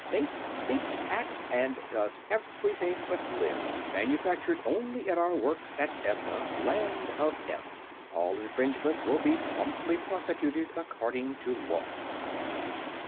|| Thinks, Speaks, Acts, and Does Everything but Live. || Manufactured only at our Works at Evna, Land of Ev. || All infringements will be promptly Prosecuted according to Law.